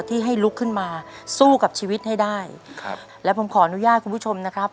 ที่ให้ลุกขึ้นมาสู้กับชีวิตให้ได้ครับและผมขออนุญาตคุณผู้ชมนะครับ